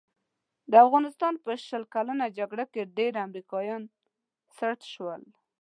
د افغانستان په شل کلنه جګړه کې ډېر امریکایان سټ شول.